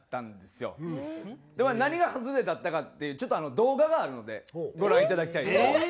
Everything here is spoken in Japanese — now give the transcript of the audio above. でまあ何が外れだったかってちょっと動画があるのでご覧いただきたいと思います。